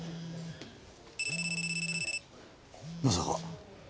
まさか。